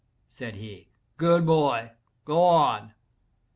said he, "good boy! go on!"